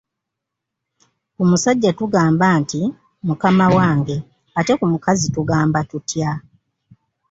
Ku musajja tugamba nti, mukama wange ate ku mukazi tugamba tutya?